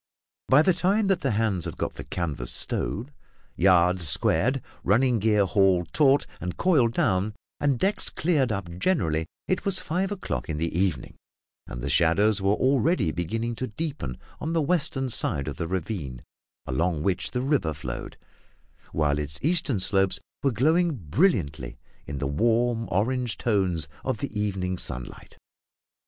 By the time that the hands had got the canvas stowed, yards squared, running gear hauled taut and coiled down, and decks cleared up generally, it was five o'clock in the evening; and the shadows were already beginning to deepen on the western side of the ravine along which the river flowed, while its eastern slopes were glowing brilliantly in the warm orange tones of the evening sunlight.